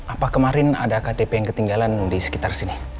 apa kemarin ada ktp yang ketinggalan di sekitar sini